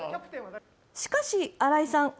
しかし、新井さん